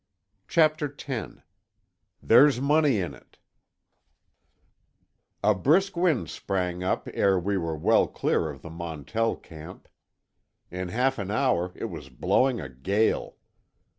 CHAPTER X—"THERE'S MONEY IN IT" A brisk wind sprang up ere we were well clear of the Montell camp. In half an hour it was blowing a gale.